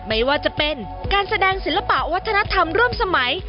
ไม่ว่าจะเป็นการแสดงศิลปะวัฒนธรรมร่วมสมัย